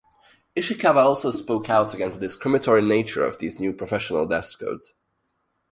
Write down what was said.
Ishikawa also spoke out against the discriminatory nature of these new professional dress codes.